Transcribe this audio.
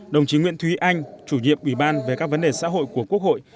đồng chí nguyễn thúy anh chủ nhiệm ủy ban về các vấn đề xã hội của quốc hội